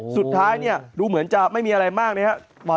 สุดท้ายเนี่ยดูเหมือนจะไม่มีอะไรมากนะครับ